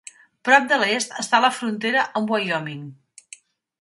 Prop de l'est està la frontera amb Wyoming.